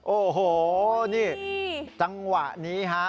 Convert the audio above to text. โอ้โหนี่จังหวะนี้ฮะ